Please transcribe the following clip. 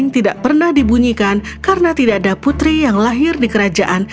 tidak pernah dibunyikan karena tidak ada putri yang lahir di kerajaan